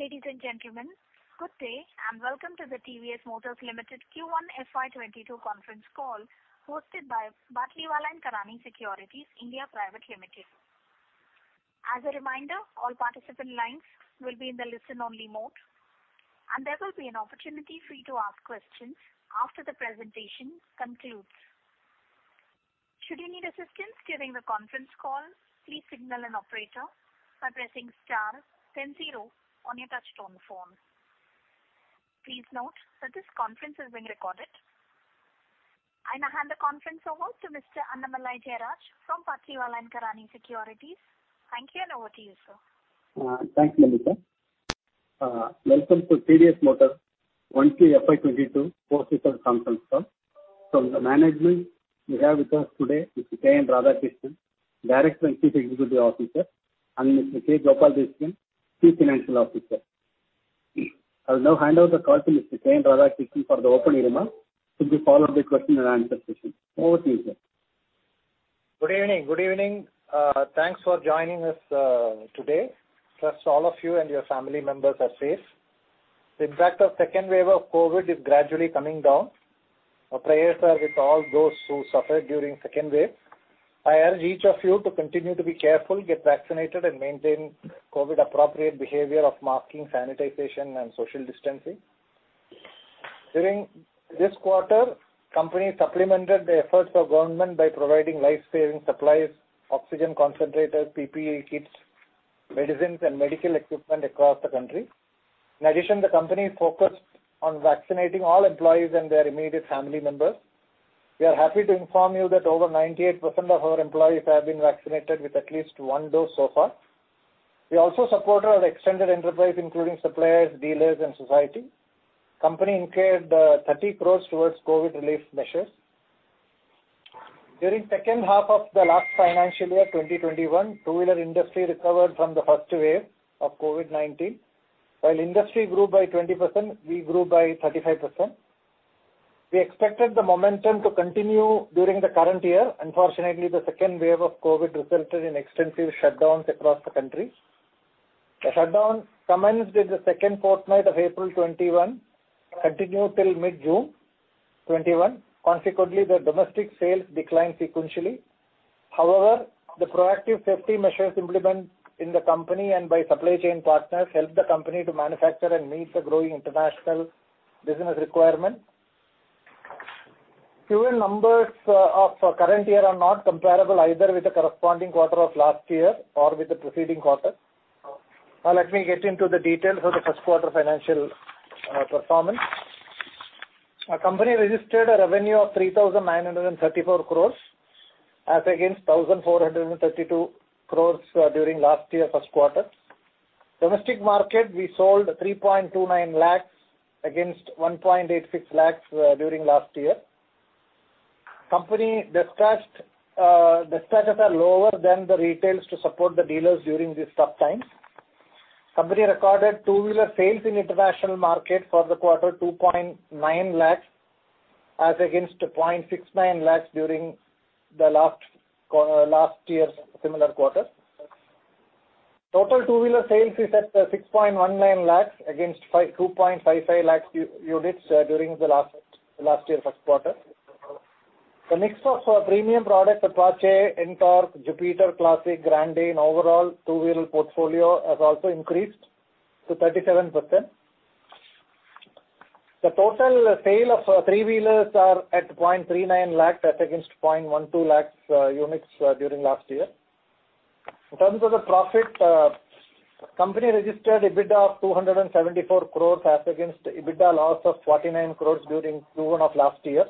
Ladies and gentlemen, good day, and welcome to the TVS Motor Company Q1 FY 2022 Conference Call hosted by Batlivala & Karani Securities India Private Limited. As a reminder, all participant lines will be in the listen-only mode, and there will be an opportunity for you to ask questions after the presentation concludes. Should you need assistance during the conference call, please signal an operator by pressing star then zero on your touch-tone phone. Please note that this conference is being recorded. I now hand the conference over to Mr. Annamalai Jayaraj from Batlivala & Karani Securities. Thank you, and over to you, sir. Thanks, Namita. Welcome to TVS Motors 1Q FY 2022 Official Conference Call. From the management, we have with us today Mr. K.N. Radhakrishnan, Director and Chief Executive Officer, and Mr. K. Gopala Desikan, Chief Financial Officer. I will now hand over the call to Mr. K.N. Radhakrishnan for the opening remarks to be followed by question and answer session. Over to you, sir. Good evening. Thanks for joining us today. Trust all of you and your family members are safe. The impact of second wave of COVID is gradually coming down. Our prayers are with all those who suffered during second wave. I urge each of you to continue to be careful, get vaccinated, and maintain COVID appropriate behavior of masking, sanitization, and social distancing. During this quarter, company supplemented the efforts of government by providing life-saving supplies, oxygen concentrators, PPE kits, medicines, and medical equipment across the country. In addition, the company focused on vaccinating all employees and their immediate family members. We are happy to inform you that over 98% of our employees have been vaccinated with at least one dose so far. We also supported our extended enterprise, including suppliers, dealers, and society. Company incurred 30 crores towards COVID relief measures. During second half of the last financial year, 2021, two-wheeler industry recovered from the first wave of COVID-19. While industry grew by 20%, we grew by 35%. We expected the momentum to continue during the current year. Unfortunately, the second wave of COVID resulted in extensive shutdowns across the country. The shutdown commenced with the second fortnight of April 2021, continued till mid-June 2021. Consequently, the domestic sales declined sequentially. However, the proactive safety measures implemented in the company and by supply chain partners helped the company to manufacture and meet the growing International Business requirement. Q1 numbers of current year are not comparable either with the corresponding quarter of last year or with the preceding quarter. Now let me get into the details of the first quarter financial performance. Our company registered a revenue of 3,934 crores as against 1,432 crores during last year first quarter. Domestic market, we sold 3.29 lakh against 1.86 lakh during last year. Company dispatches are lower than the retails to support the dealers during these tough times. Company recorded two-wheeler sales in international market for the quarter 2.9 lakh as against 0.69 lakh during the last year's similar quarter. Total two-wheeler sales is at 6.19 lakh against 2.55 lakh units during the last year first quarter. The mix of premium product Apache, NTORQ, Jupiter Classic, Grande, and overall two-wheeler portfolio has also increased to 37%. The total sale of three-wheelers are at 0.39 lakh as against 0.12 lakh units during last year. In terms of the profit, company registered EBITDA of 274 crore as against EBITDA loss of 49 crore during Q1 of last year.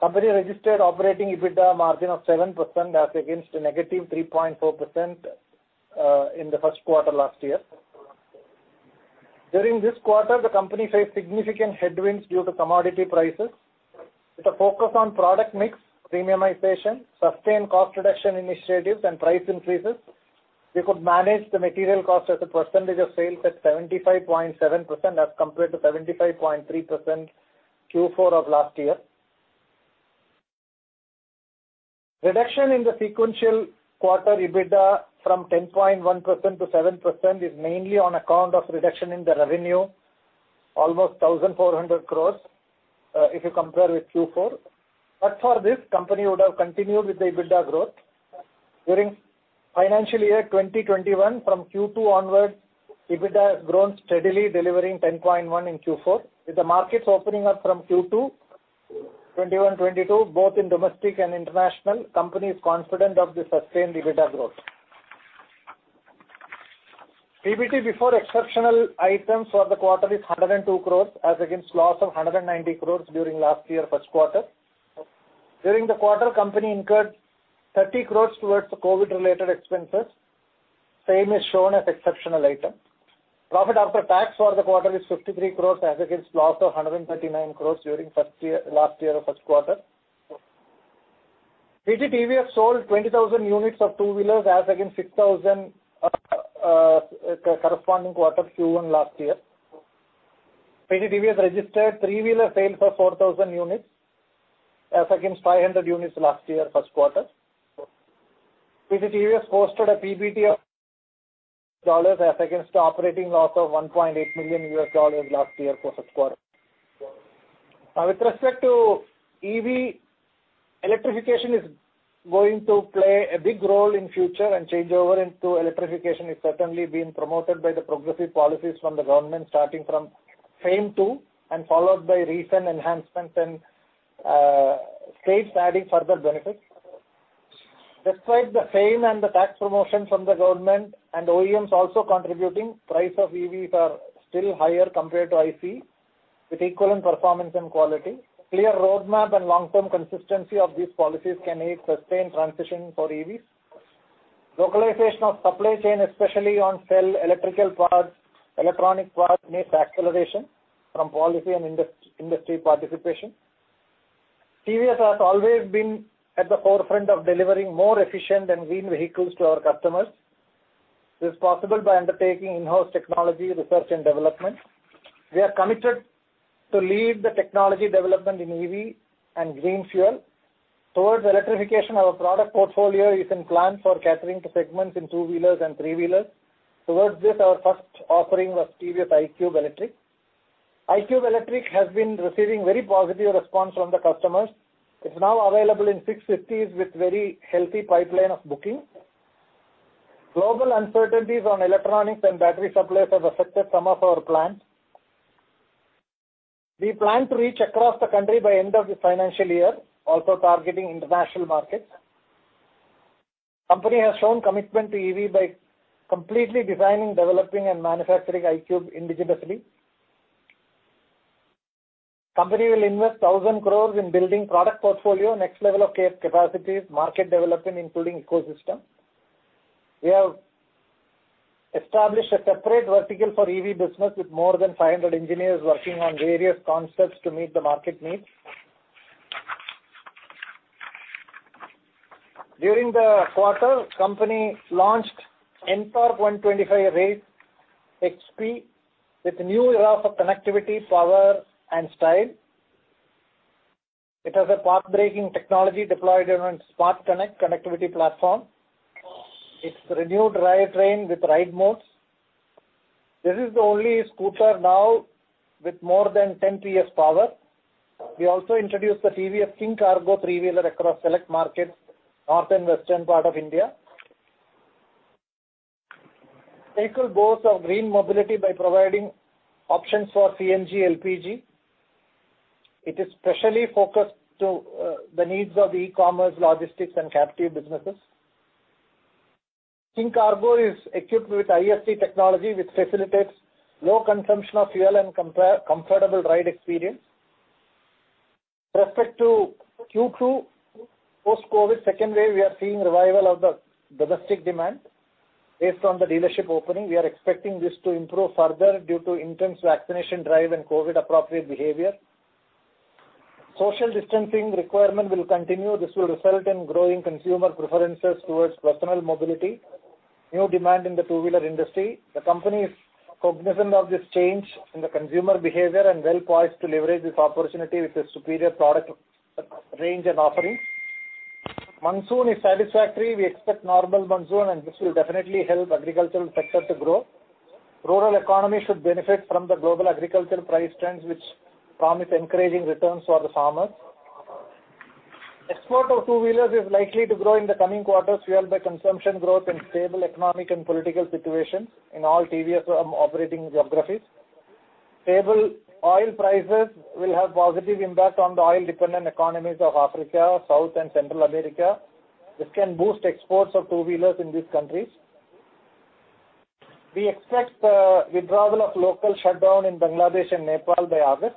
Company registered operating EBITDA margin of 7% as against a negative 3.4% in the first quarter last year. During this quarter, the company faced significant headwinds due to commodity prices. With a focus on product mix, premiumization, sustained cost reduction initiatives, and price increases, we could manage the material cost as a percentage of sales at 75.7% as compared to 75.3% Q4 of last year. Reduction in the sequential quarter EBITDA from 10.1% to 7% is mainly on account of reduction in the revenue, almost 1,400 crores, if you compare with Q4. For this, company would have continued with the EBITDA growth. During financial year 2021, from Q2 onwards, EBITDA has grown steadily, delivering 10.1% in Q4. With the markets opening up from Q2 2021/2022, both in domestic and international, company is confident of the sustained EBITDA growth. PBT before exceptional items for the quarter is 102 crores as against loss of 190 crores during last year first quarter. During the quarter, company incurred 30 crores towards the COVID-19-related expenses. Same is shown as exceptional item. Profit after tax for the quarter is 53 crores as against loss of 139 crores during last year first quarter. PT TVS sold 20,000 units of two-wheelers as against 6,000 corresponding quarter Q1 last year. PT TVS registered three-wheeler sale for 4,000 units as against 500 units last year first quarter. TVS posted a PBT of $1 million as against operating loss of $1.8 million last year for the quarter. With respect to EV, electrification is going to play a big role in future and changeover into electrification is certainly being promoted by the progressive policies from the government, starting from FAME II and followed by recent enhancements and states adding further benefits. Despite the FAME and the tax promotion from the government and OEMs also contributing, price of EVs are still higher compared to ICE, with equivalent performance and quality. Clear roadmap and long-term consistency of these policies can aid sustained transition for EVs. Localization of supply chain, especially on cell, electrical parts, electronic parts, needs acceleration from policy and industry participation. TVS has always been at the forefront of delivering more efficient and green vehicles to our customers. This is possible by undertaking in-house technology, research and development. We are committed to lead the technology development in EV and green fuel. Towards electrification, our product portfolio is in plans for catering to segments in two-wheelers and three-wheelers. Towards this, our first offering was TVS iQube Electric. iQube Electric has been receiving very positive response from the customers. It's now available in six cities with very healthy pipeline of booking. Global uncertainties on electronics and battery supplies have affected some of our plans. We plan to reach across the country by end of this financial year, also targeting international markets. Company has shown commitment to EV by completely designing, developing, and manufacturing iQube indigenously. Company will invest 1,000 crores in building product portfolio, next level of capacities, market development, including ecosystem. We have established a separate vertical for EV business with more than 500 engineers working on various concepts to meet the market needs. During the quarter, Company launched NTORQ 125 Race XP with new era of connectivity, power, and style. It has a pathbreaking technology deployed on smart connectivity platform. It's renewed drivetrain with ride modes. This is the only scooter now with more than 10 PS power. We also introduced the TVS King Kargo three-wheeler across select markets, north and western part of India. Vehicle boasts our green mobility by providing options for CNG, LPG. It is specially focused to the needs of e-commerce, logistics, and captive businesses. TVS King Kargo is equipped with iTouch start technology, which facilitates low consumption of fuel and comfortable ride experience. With respect to Q2, post-COVID-19 second wave, we are seeing revival of the domestic demand. Based on the dealership opening, we are expecting this to improve further due to intense vaccination drive and COVID-19 appropriate behavior. Social distancing requirement will continue. This will result in growing consumer preferences towards personal mobility. New demand in the two-wheeler industry. The company is cognizant of this change in the consumer behavior and well-poised to leverage this opportunity with a superior product range and offerings. Monsoon is satisfactory. We expect normal monsoon, and this will definitely help agricultural sector to grow. Rural economy should benefit from the global agricultural price trends, which promise encouraging returns for the farmers. Export of two-wheelers is likely to grow in the coming quarters, fueled by consumption growth and stable economic and political situations in all TVS operating geographies. Stable oil prices will have positive impact on the oil-dependent economies of Africa, South and Central America. This can boost exports of two-wheelers in these countries. We expect the withdrawal of local shutdown in Bangladesh and Nepal by August.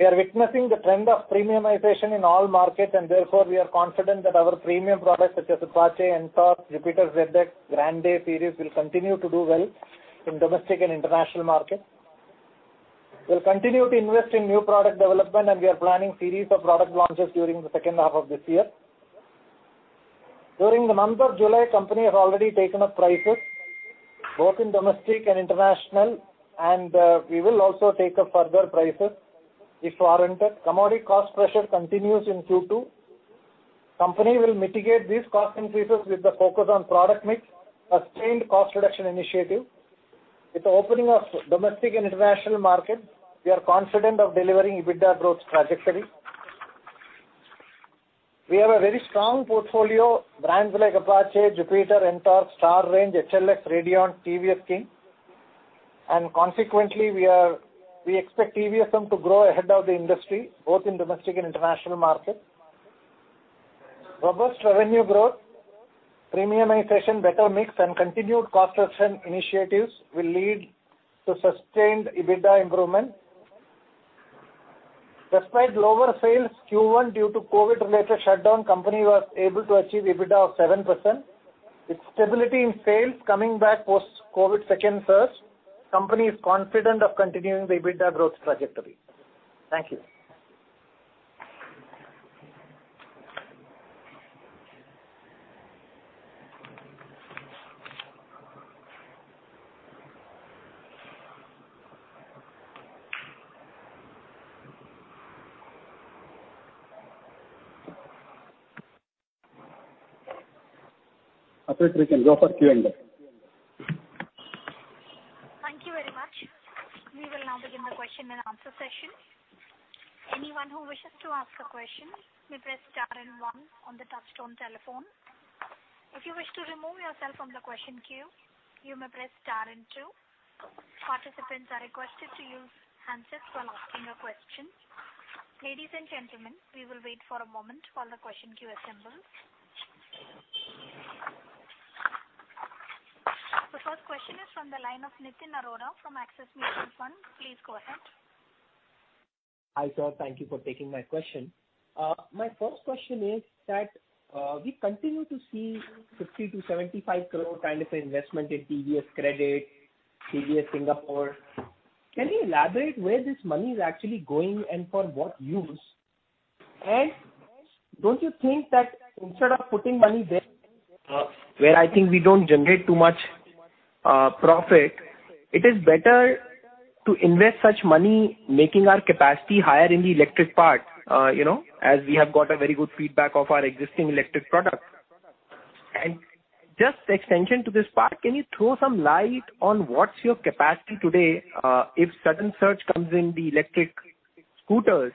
We are witnessing the trend of premiumization in all markets, and therefore, we are confident that our premium products such as Apache, NTORQ, Jupiter ZX, Grande series will continue to do well in domestic and international markets. We'll continue to invest in new product development, and we are planning series of product launches during the second half of this year. During the month of July, company has already taken up prices, both in domestic and international, and we will also take up further prices if warranted. Commodity cost pressure continues in Q2. Company will mitigate these cost increases with the focus on product mix, a sustained cost reduction initiative. With the opening of domestic and international markets, we are confident of delivering EBITDA growth trajectory. We have a very strong portfolio, brands like Apache, Jupiter, NTORQ, Star City, XL, Radeon, TVS King. Consequently, we expect TVS to grow ahead of the industry, both in domestic and international markets. Robust revenue growth, premiumization, better mix, and continued cost reduction initiatives will lead to sustained EBITDA improvement. Despite lower sales Q1 due to COVID-related shutdown, company was able to achieve EBITDA of 7%. With stability in sales coming back post-COVID second surge, company is confident of continuing the EBITDA growth trajectory. Thank you. Operator you can go for Q&A. Thank you very much. We will now begin the question and answer session. Anyone who wishes to ask a question may press star and one on the touch-tone telephone. If you wish to remove yourself from the question queue, you may press star and two. Participants are requested to use handsets when asking a question. Ladies and gentlemen, we will wait for a moment while the question queue assembles. The first question is from the line of Nitin Arora from Axis Mutual Fund. Please go ahead. Hi, sir. Thank you for taking my question. My first question is that, we continue to see 60 crore-75 crore kind of investment in TVS Credit, TVS Singapore. Can you elaborate where this money is actually going and for what use? Don't you think that instead of putting money there, where I think we don't generate too much profit, it is better to invest such money making our capacity higher in the electric part, as we have got a very good feedback of our existing electric products. Just extension to this part, can you throw some light on what's your capacity today, if sudden surge comes in the electric scooters,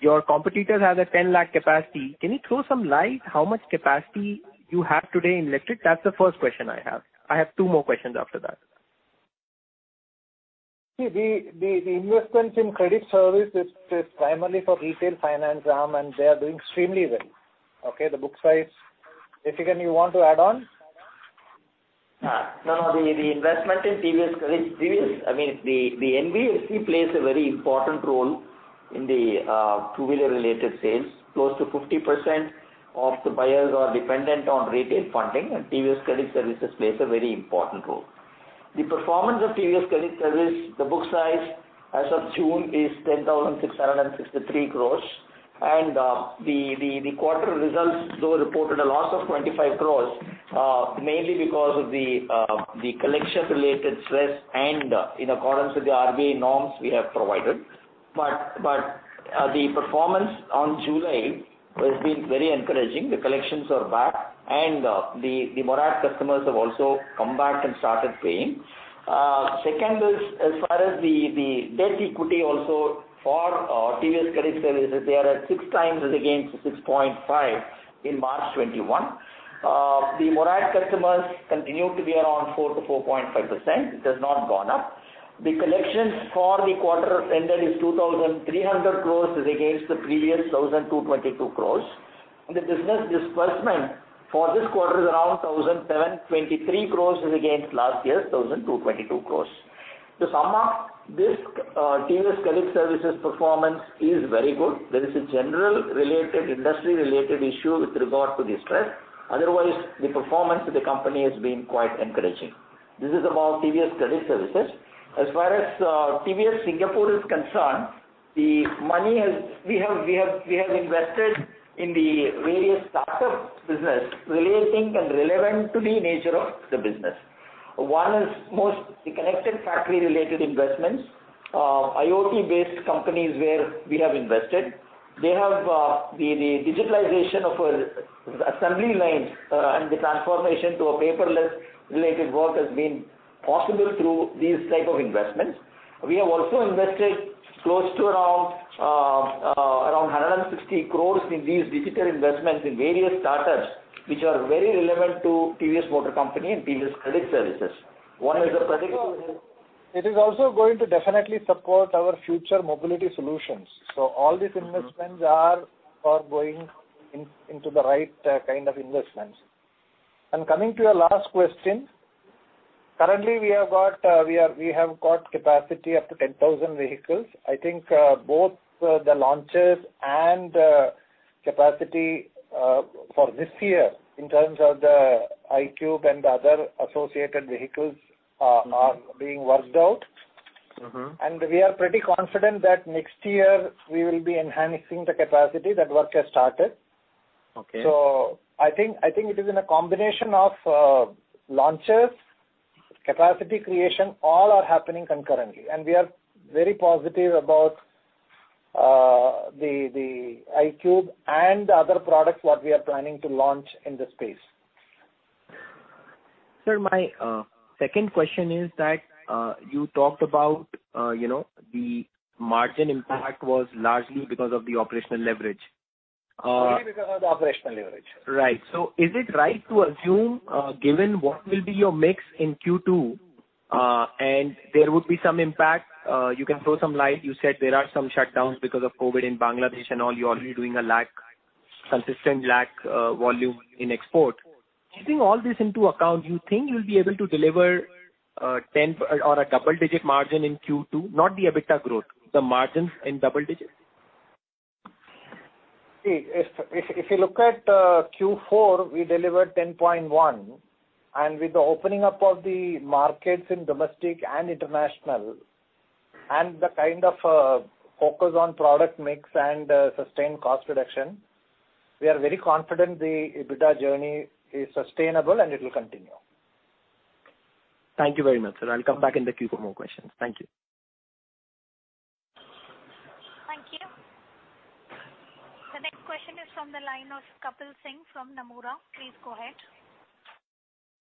your competitor has a 10 lakh capacity. Can you throw some light how much capacity you have today in electric? That's the first question I have. I have two more questions after that. See, the investments in credit service is primarily for retail finance arm. They are doing extremely well. Okay, the book size. Desikan, you want to add on? The investment in TVS, the NBFC plays a very important role in the two-wheeler related sales. Close to 50% of the buyers are dependent on retail funding and TVS Credit Services plays a very important role. The performance of TVS Credit Services, the book size as of June is 10,663 crore and the quarter results, though reported a loss of 25 crore, mainly because of the collection related stress and in accordance with the RBI norms we have provided. The performance on July has been very encouraging. The collections are back and the moratorium customers have also come back and started paying. Second is, as far as the debt equity also for TVS Credit Services, they are at 6x as against 6.5x in March 2021. The moratorium customers continue to be around 4%-4.5%. It has not gone up. The collections for the quarter ended is 2,300 crores as against the previous 1,222 crores. The business disbursement for this quarter is around 1,723 crores as against last year's 1,222 crores. To sum up this, TVS Credit Services performance is very good. There is a general industry related issue with regard to the stress. Otherwise, the performance of the company has been quite encouraging. This is about TVS Credit Services. As far as TVS Singapore is concerned, we have invested in the various startup business relating and relevant to the nature of the business. One is most the connected factory related investments. IoT based companies where we have invested. The digitalization of assembly lines and the transformation to a paperless related work has been possible through these type of investments. We have also invested close to around 160 crores in these digital investments in various startups, which are very relevant to TVS Motor Company and TVS Credit Services. It is also going to definitely support our future mobility solutions. All these investments are going into the right kind of investments. Coming to your last question. Currently, we have got capacity up to 10,000 vehicles. I think both the launches and capacity for this year in terms of the iQube and the other associated vehicles are being worked out. We are pretty confident that next year we will be enhancing the capacity. That work has started. Okay. I think it is in a combination of launches, capacity creation, all are happening concurrently. We are very positive about the iQube and other products that we are planning to launch in the space. Sir, my second question is that, you talked about the margin impact was largely because of the operational leverage. Only because of the operational leverage. Right. Is it right to assume, given what will be your mix in Q2, and there would be some impact, you can throw some light. You said there are some shutdowns because of COVID in Bangladesh and all. You're already doing a consistent lakh volume in export. Keeping all this into account, you think you'll be able to deliver 10 or a double digit margin in Q2? Not the EBITDA growth, the margins in double digits. See, if you look at Q4, we delivered 10.1%. With the opening up of the markets in domestic and international and the kind of focus on product mix and sustained cost reduction, we are very confident the EBITDA journey is sustainable and it will continue. Thank you very much, sir. I'll come back in the queue for more questions. Thank you. Thank you. The next question is from the line of Kapil Singh from Nomura. Please go ahead.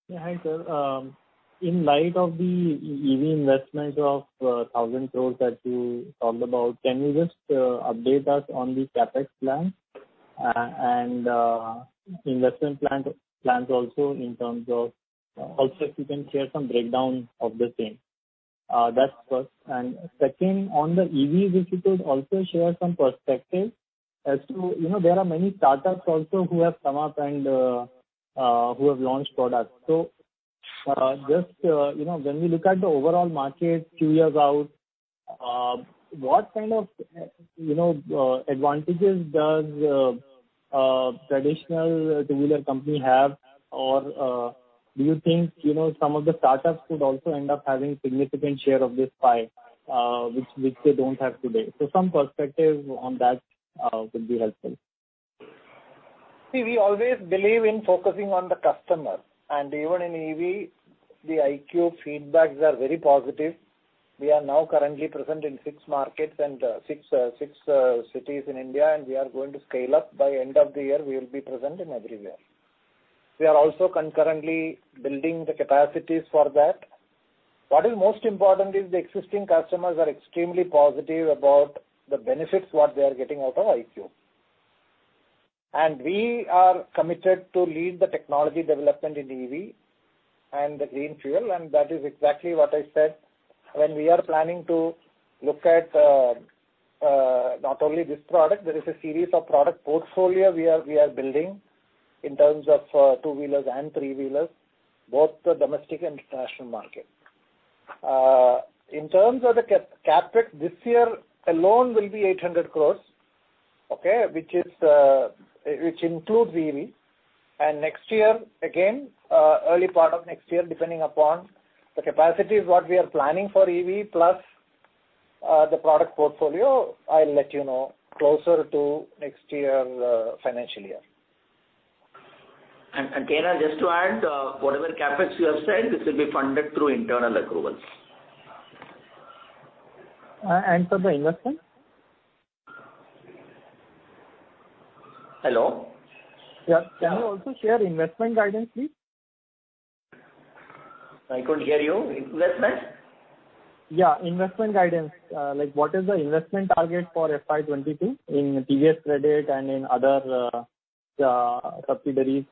Yeah. Hi, sir. In light of the EV investment of 1,000 crore that you talked about, can you just update us on the CapEx plan? Investment plans also in terms of outlets, you can share some breakdown of the same. That's first. Second, on the EV, if you could also share some perspective as to, there are many startups also who have come up and who have launched products. Just, when we look at the overall market two years out, what kind of advantages does a traditional two-wheeler company have or do you think some of the startups could also end up having significant share of this pie, which they don't have today? Some perspective on that would be helpful. We always believe in focusing on the customer, and even in EV, the iQube feedbacks are very positive. We are now currently present in six markets and six cities in India, and we are going to scale up. By end of the year, we will be present in everywhere. We are also concurrently building the capacities for that. What is most important is the existing customers are extremely positive about the benefits, what they are getting out of iQube. We are committed to lead the technology development in EV and the green fuel, and that is exactly what I said. When we are planning to look at not only this product, there is a series of product portfolio we are building in terms of two-wheelers and three-wheelers, both the domestic and international market. In terms of the CapEx, this year alone will be 800 crores, okay, which includes EV. Next year, again, early part of next year, depending upon the capacities what we are planning for EV plus the product portfolio, I'll let you know closer to next year financial year. K.N., just to add, whatever CapEx you have said, this will be funded through internal accruals. Sir, the investment? Hello? Yeah. Can you also share investment guidance, please? I couldn't hear you. Investment? Yeah. Investment guidance. Like, what is the investment target for FY 2022 in TVS Credit and in other subsidiaries?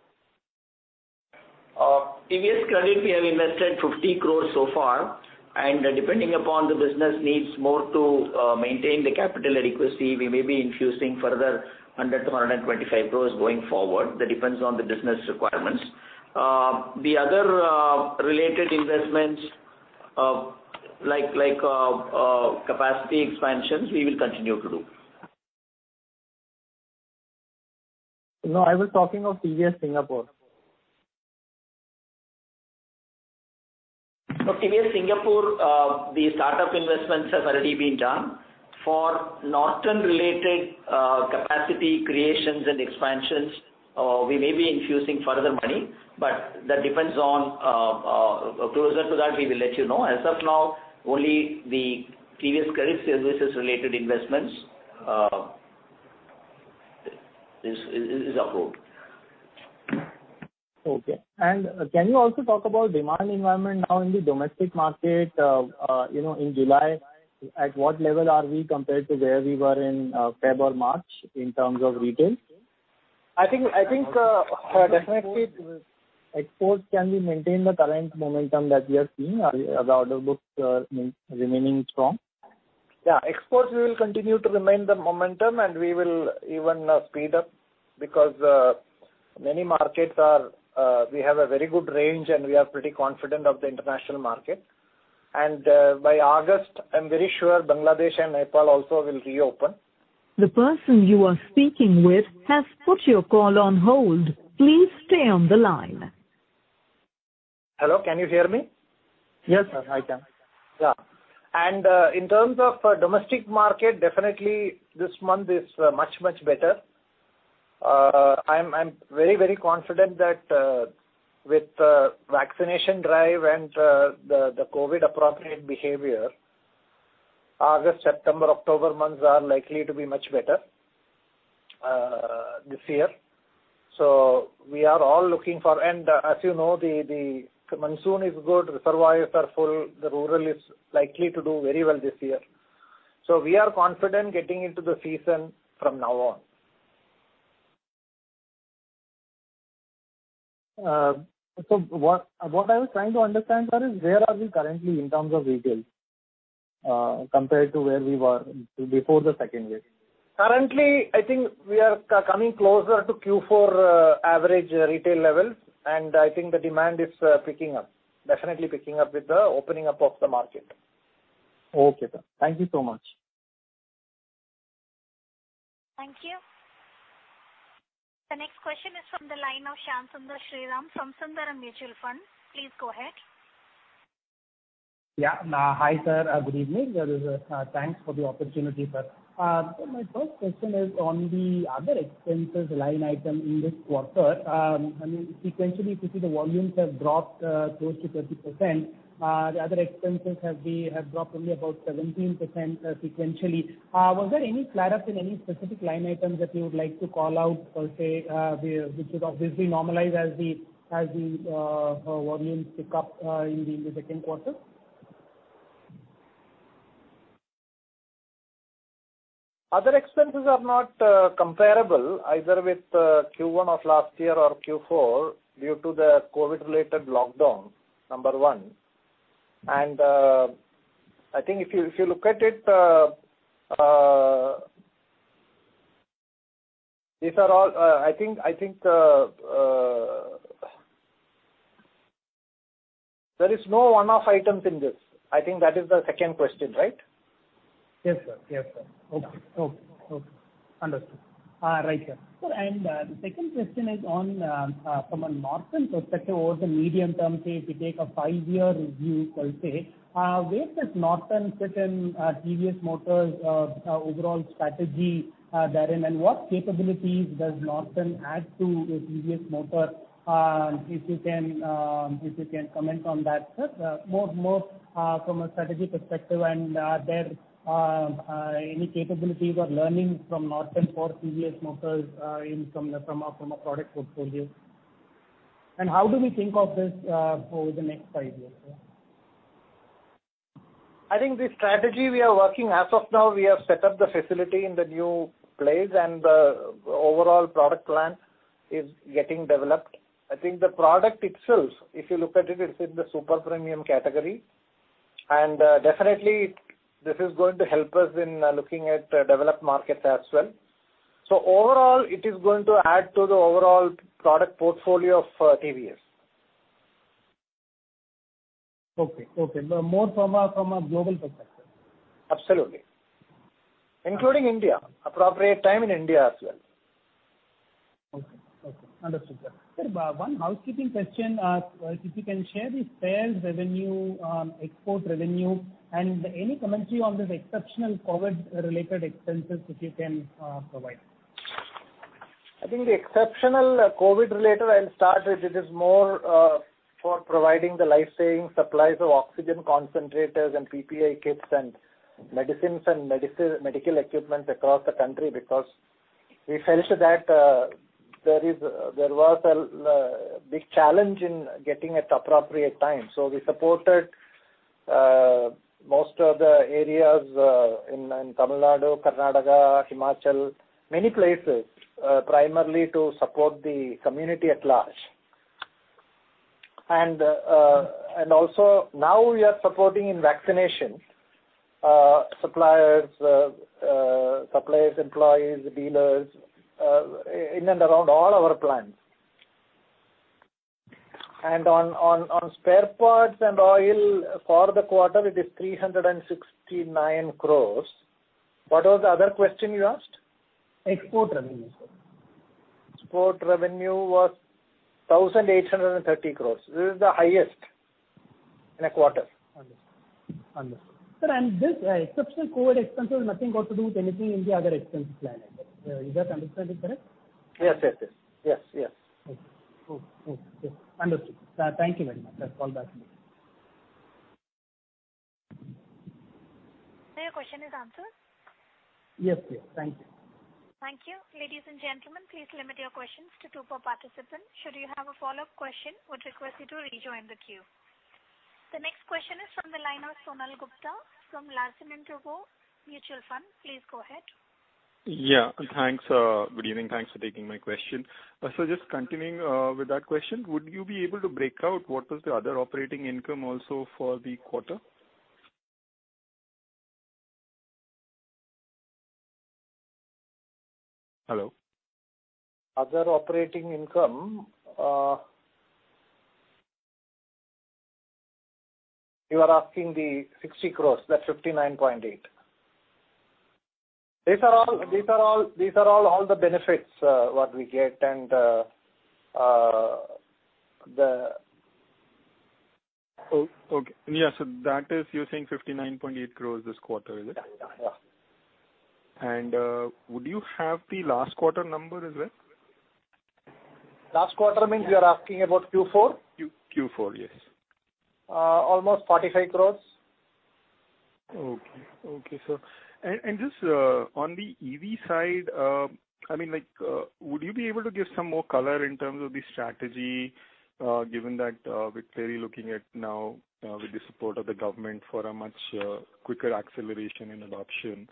TVS Credit, we have invested 50 crores so far, and depending upon the business needs more to maintain the capital adequacy, we may be infusing further 100 crores-125 crores going forward. That depends on the business requirements. The other related investments like capacity expansions, we will continue to do. No, I was talking of TVS Singapore. TVS Singapore, the startup investments have already been done. For Norton-related capacity creations and expansions, we may be infusing further money. That depends on closer to that, we will let you know. As of now, only the TVS Credit Services related investments is approved. Okay. Can you also talk about demand environment now in the domestic market, in July, at what level are we compared to where we were in February or March in terms of retail? I think. Exports, can we maintain the current momentum that we are seeing? Are the order books remaining strong? Yeah. Exports, we will continue to remain the momentum and we will even speed up because We have a very good range, and we are pretty confident of the international market. By August, I am very sure Bangladesh and Nepal also will reopen. The person you are speaking with has put your call on hold. Please stay on the line. Hello, can you hear me? Yes, sir, I can. Yeah. In terms of domestic market, definitely this month is much, much better. I'm very, very confident that with vaccination drive and the COVID-19 appropriate behavior, August, September, October months are likely to be much better this year. We are all looking for. As you know, the monsoon is good. Reservoirs are full. The rural is likely to do very well this year. We are confident getting into the season from now on. What I was trying to understand, sir, is where are we currently in terms of retail compared to where we were before the second wave? Currently, I think we are coming closer to Q4 average retail levels, and I think the demand is picking up. Definitely picking up with the opening up of the market. Okay, sir. Thank you so much. Thank you. The next question is from the line of Shyam Sundar Sriram from Sundaram Mutual Fund. Please go ahead. Hi, sir. Good evening. Thanks for the opportunity, sir. My first question is on the other expenses line item in this quarter. I mean, sequentially, you see the volumes have dropped close to 30%. The other expenses have dropped only about 17% sequentially. Was there any clear-up in any specific line items that you would like to call out per se, which would obviously normalize as the volumes pick up in the second quarter? Other expenses are not comparable either with Q1 of last year or Q4 due to the COVID-related lockdown, number one. I think if you look at it, there is no one-off items in this. I think that is the second question, right? Yes, sir. Okay. Understood. Right, sir. Sir, the second question is from a Norton perspective over the medium term say, if you take a five-year view, per se, where does Norton fit in TVS Motor Company's overall strategy therein, and what capabilities does Norton add to a TVS Motor Company? If you can comment on that, sir. More from a strategy perspective, are there any capabilities or learnings from Norton for TVS Motor Company from a product portfolio? How do we think of this over the next five years, sir? I think the strategy we are working as of now, we have set up the facility in the new place. The overall product plan is getting developed. I think the product itself, if you look at it's in the super premium category. Definitely, this is going to help us in looking at developed markets as well. Overall, it is going to add to the overall product portfolio for TVS. Okay. More from a global perspective. Absolutely. Including India. Appropriate time in India as well. Okay. Understood, sir. Sir, one housekeeping question. If you can share the sales revenue, export revenue, and any commentary on those exceptional COVID-related expenses if you can provide? I think the exceptional COVID-related, I'll start with, it is more for providing the lifesaving supplies of oxygen concentrators and PPE kits and medicines and medical equipment across the country, because we felt that there was a big challenge in getting at appropriate time. We supported most of the areas in many places primarily to support the community at large. Also, now we are supporting in vaccination suppliers, employees, dealers, in and around all our plants. On spare parts and oil for the quarter, it is 369 crore. What was the other question you asked? Export revenue, sir. Export revenue was 1,830 crores. This is the highest in a quarter. Understood. Sir, this exceptional COVID expense has nothing got to do with anything in the other expense plan item. Is our understanding correct? Yes. Okay. Understood. Thank you very much, sir. Call back later. Sir, your question is answered? Yes. Thank you. Thank you. Ladies and gentlemen, please limit your questions to two per participant. Should you have a follow-up question, would request you to rejoin the queue. The next question is from the line of Sonal Gupta from L&T Investment Management Ltd. Please go ahead. Yeah. Thanks. Good evening. Thanks for taking my question. Sir, just continuing with that question, would you be able to break out what was the other operating income also for the quarter? Hello? Other operating income. You are asking the 60 crores, that 59.8 crores. These are all the benefits what we get. Okay. Yeah, that is, you're saying 59.8 crores this quarter, is it? Yeah. Would you have the last quarter number as well? Last quarter means you're asking about Q4? Q4, yes. Almost 45 crores. Okay, sir. Just on the EV side, would you be able to give some more color in terms of the strategy, given that we're clearly looking at now with the support of the government for a much quicker acceleration and adoption.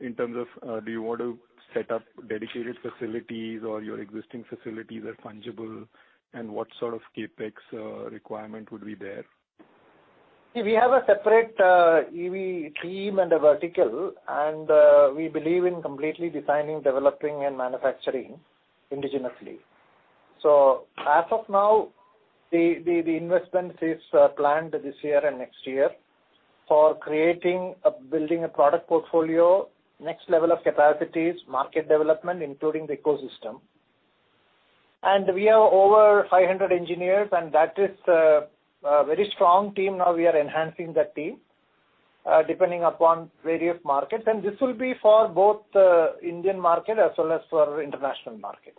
In terms of, do you want to set up dedicated facilities or your existing facilities are fungible, and what sort of CapEx requirement would be there? We have a separate EV team and a vertical, and we believe in completely designing, developing, and manufacturing indigenously. As of now, the investment is planned this year and next year for creating, building a product portfolio, next level of capacities, market development, including the ecosystem. We have over 500 engineers, and that is a very strong team. Now we are enhancing that team, depending upon various markets. This will be for both the Indian market as well as for international markets,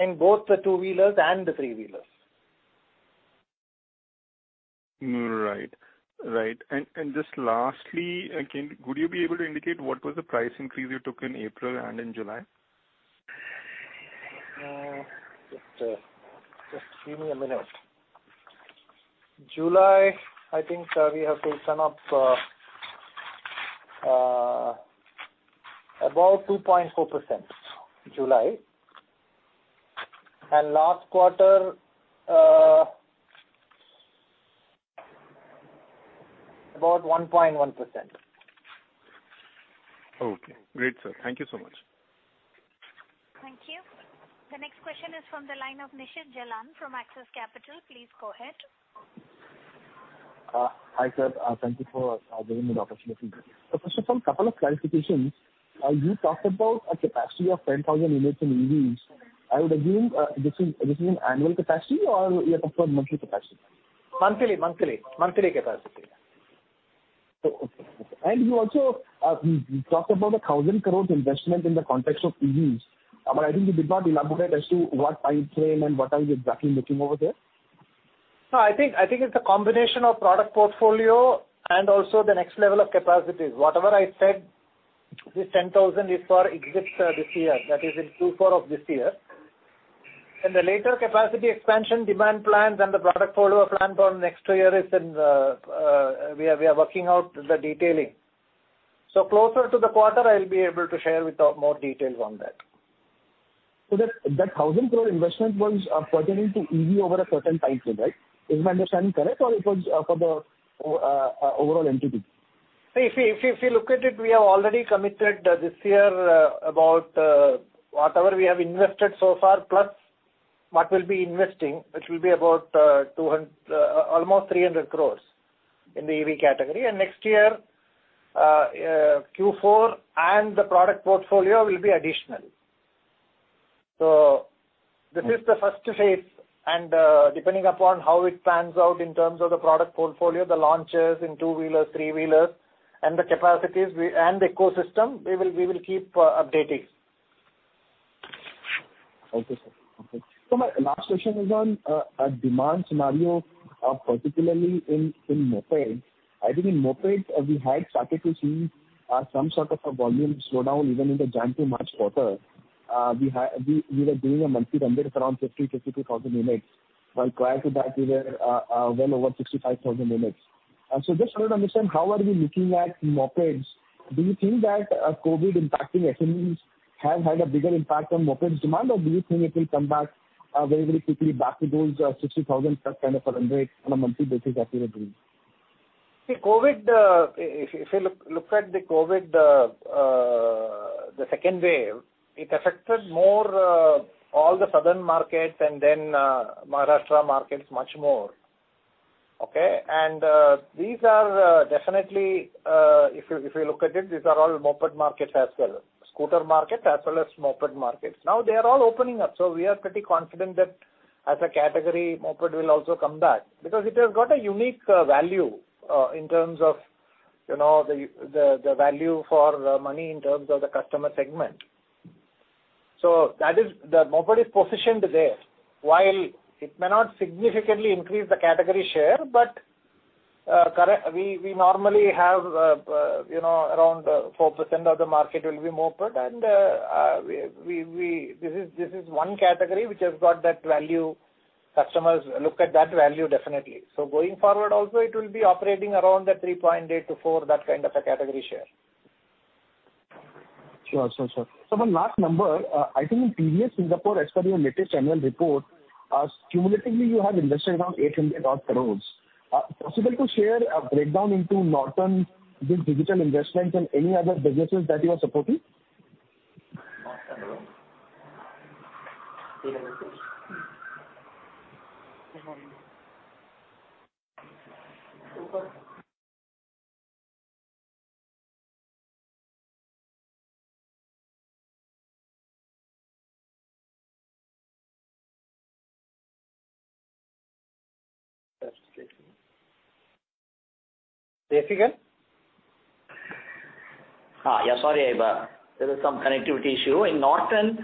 in both the two-wheelers and the three-wheelers. Right. Just lastly, again, would you be able to indicate what was the price increase you took in April and in July? Just give me a minute. July, I think, sir, we have taken up about 2.4%. July. Last quarter, about 1.1%. Okay, great, sir. Thank you so much. Thank you. The next question is from the line of Nishit Jalan from Axis Capital. Please go ahead. Hi, sir. Thank you for giving me the opportunity. First of all, couple of clarifications. You talked about a capacity of 10,000 units in EVs. I would assume this is an annual capacity or you are talking about monthly capacity? Monthly capacity. Okay. You also talked about a 1,000 crore investment in the context of EVs. I think you did not elaborate as to what timeframe and what are you exactly looking over there. No, I think it's a combination of product portfolio and also the next level of capacities. Whatever I said, this 10,000 is for exit this year, that is in Q4 of this year. In the later capacity expansion demand plans and the product portfolio plan for next year, we are working out the detailing. Closer to the quarter, I'll be able to share with more details on that. That 1,000 crore investment was pertaining to EV over a certain timeframe, right? Is my understanding correct, or it was for the overall entity? If you look at it, we have already committed this year about whatever we have invested so far, plus what we'll be investing, which will be about almost 300 crores in the EV category. Next year, Q4 and the product portfolio will be additional. This is the first phase, and depending upon how it pans out in terms of the product portfolio, the launches in two-wheeler, three-wheelers, and the capacities, and ecosystem, we will keep updating. Okay, sir. My last question is on demand scenario, particularly in mopeds. I think in mopeds, we had started to see some sort of a volume slowdown even in the Jan to March quarter. We were doing a monthly run rate around 50,000, 52,000 units, while prior to that we were well over 65,000 units. Just wanted to understand how are we looking at mopeds. Do you think that COVID-19 impacting SMEs have had a bigger impact on moped demand? Or do you think it will come back very, very quickly back to those 60,000+ run rate on a monthly basis as you were doing? If you look at the COVID-19, the second wave, it affected more all the southern markets and then Maharashtra markets much more. Okay. These are definitely, if you look at it, these are all moped markets as well, scooter market as well as moped markets. Now they are all opening up. We are pretty confident that as a category, moped will also come back because it has got a unique value in terms of the value for money in terms of the customer segment. The moped is positioned there. While it may not significantly increase the category share, we normally have around 4% of the market will be moped. This is one category which has got that value. Customers look at that value definitely. Going forward also, it will be operating around that 3.8%-4%, that kind of a category share. Sure. My last number, I think in TVS Singapore SP, your latest annual report, cumulatively you have invested around 800 odd crores. Possible to share a breakdown into Norton, the digital investment, and any other businesses that you are supporting? Yeah, sorry. There was some connectivity issue. In Norton,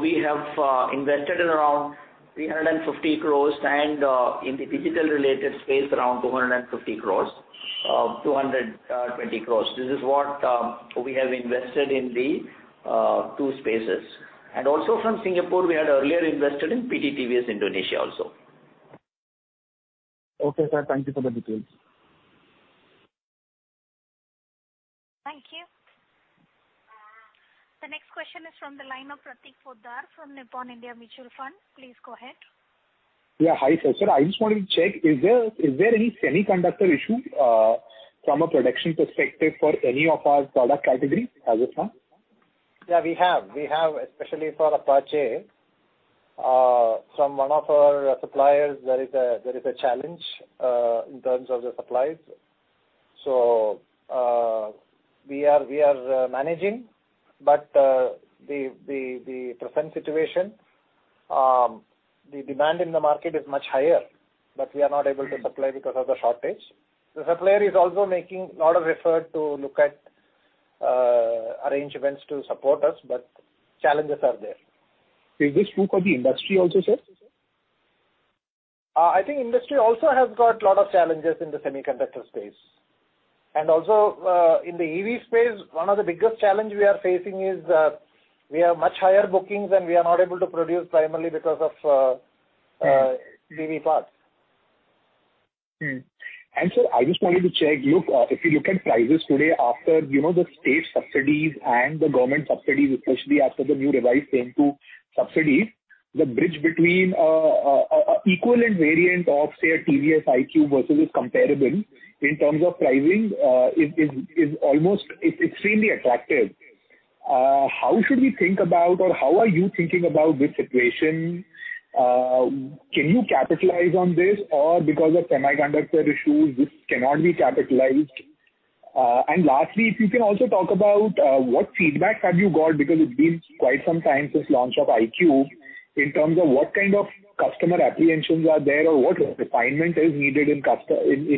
we have invested around 350 crores and in the digital related space around 250 crores, 220 crores. This is what we have invested in the two spaces. Also from Singapore, we had earlier invested in PT TVS, Indonesia also. Okay, sir. Thank you for the details. Thank you. The next question is from the line of Prateek Poddar from Nippon India Mutual Fund. Please go ahead. Yeah. Hi, sir. I just wanted to check, is there any semiconductor issue from a production perspective for any of our product category as of now? Yeah, we have. Especially for Apache. From one of our suppliers, there is a challenge in terms of the supplies. We are managing, but the present situation, the demand in the market is much higher, but we are not able to supply because of the shortage. The supplier is also making lot of effort to look at arrangements to support us, but challenges are there. Is this true for the industry also, sir? I think industry also has got lot of challenges in the semiconductor space. Also, in the EV space, one of the biggest challenge we are facing is we have much higher bookings and we are not able to produce primarily because of EV parts. Sir, I just wanted to check, if you look at prices today after the state subsidies and the government subsidies, especially after the new revised FAME II subsidies, the bridge between equivalent variant of, say, a TVS iQube versus its comparable in terms of pricing is extremely attractive. How should we think about or how are you thinking about this situation? Can you capitalize on this or because of semiconductor issues, this cannot be capitalized? Lastly, if you can also talk about what feedback have you got, because it's been quite some time since launch of iQube, in terms of what kind of customer apprehensions are there or what refinement is needed in